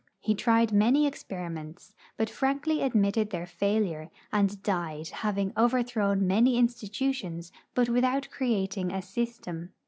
He tried many experiments, but frankly admitted their failure, and died, having overthroAvn many institutions, but Avithout creating a system.